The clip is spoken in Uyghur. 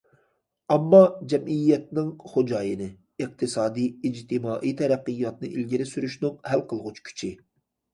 ئامما جەمئىيەتنىڭ خوجايىنى، ئىقتىسادىي، ئىجتىمائىي تەرەققىياتىنى ئىلگىرى سۈرۈشنىڭ ھەل قىلغۇچ كۈچى.